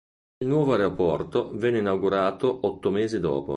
Il nuovo aeroporto venne inaugurato otto mesi dopo.